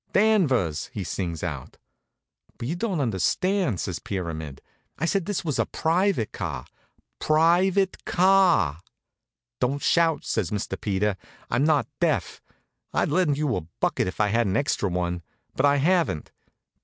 Danvers!" he sings out. "But you don't understand," says Pyramid. "I said this was a private car private car!" "Don't shout," says Sir Peter. "I'm not deaf. I'd lend you a bucket if I had an extra one; but I haven't.